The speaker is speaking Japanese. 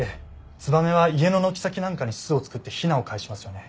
ツバメは家の軒先なんかに巣を作ってヒナをかえしますよね。